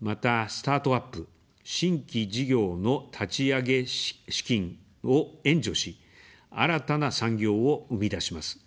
また、スタートアップ、新規事業の立ち上げ資金を援助し、新たな産業を生み出します。